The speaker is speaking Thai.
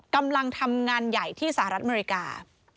กำลังทำงานใหญ่ที่สหรัฐอเมริกา